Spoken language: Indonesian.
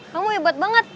kamu hebat banget